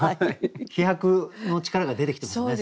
飛躍の力が出てきてますね。